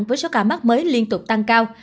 với số ca mắc mới liên tục tăng cao